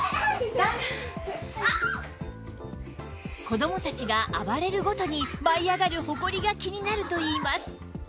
子供たちが暴れるごとに舞い上がるホコリが気になるといいます